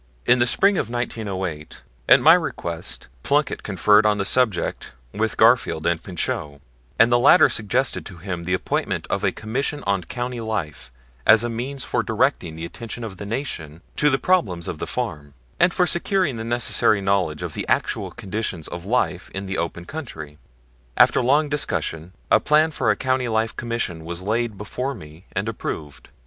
In the spring of 1908, at my request, Plunkett conferred on the subject with Garfield and Pinchot, and the latter suggested to him the appointment of a Commission on Country Life as a means for directing the attention of the Nation to the problems of the farm, and for securing the necessary knowledge of the actual conditions of life in the open country. After long discussion a plan for a Country Life Commission was laid before me and approved.